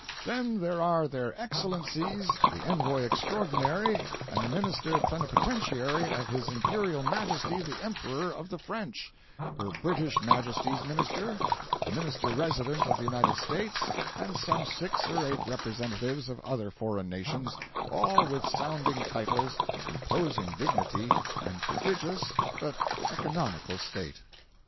Then there are their Excellencies the Envoy Extraordinary and Minister Plenipotentiary of his Imperial Majesty the Emperor of the French; her British Majesty's Minister; the Minister Resident, of the United States; and some six or eight representatives of other foreign nations, all with sounding titles, imposing dignity and prodigious but economical state.